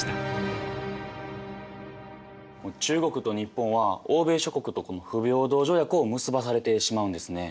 中国と日本は欧米諸国と不平等条約を結ばされてしまうんですね。